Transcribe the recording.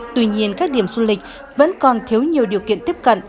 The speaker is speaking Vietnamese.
tuy nhiên các điểm du lịch vẫn còn thiếu nhiều điều kiện tiếp cận